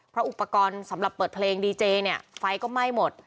เพราะอุปกรณ์สำหรับเปิดเพลงดีเจเนี่ยไฟก็ไหม้หมด